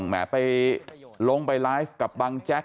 แหมไปลงไปไลฟ์กับบังแจ๊ก